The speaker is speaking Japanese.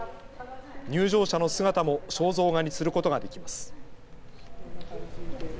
入場者の姿も肖像画にすることができます。